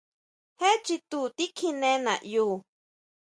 ¿Jé chitu tikjiné naʼyu?